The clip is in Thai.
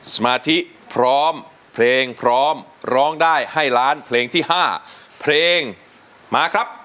สมาธิพร้อมเพลงพร้อมร้องได้ให้ล้านเพลงที่๕เพลงมาครับ